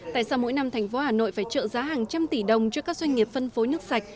tại sao mỗi năm thành phố hà nội phải trợ giá hàng trăm tỷ đồng cho các doanh nghiệp phân phối nước sạch